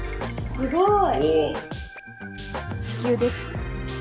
すごい。